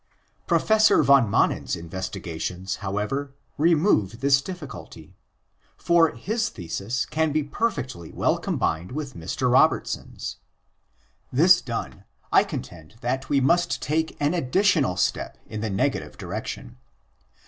Professor van Manen's investigations, however, remove this difficulty. For his thesis can be perfectly well combined with Mr. Robertson's. This done, I contend that we must take an additional step in the negative direction.